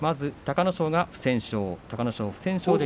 隆の勝が不戦勝です。